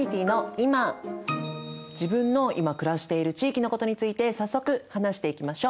自分のいま暮らしている地域のことについて早速話していきましょう。